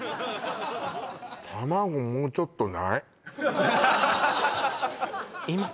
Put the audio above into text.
もうちょっとない？